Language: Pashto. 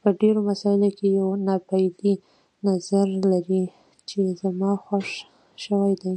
په ډېرو مسایلو کې یو ناپېیلی نظر لري چې زما خوښ شوی دی.